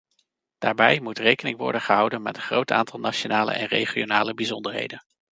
Daarbij moet rekening worden gehouden met een groot aantal nationale en regionale bijzonderheden.